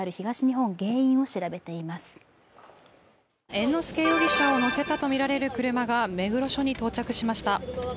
猿之助容疑者を乗せたとみられる車が、目黒署に到着しました。